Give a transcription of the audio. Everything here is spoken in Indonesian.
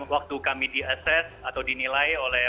waktu kami di assess atau dinilai oleh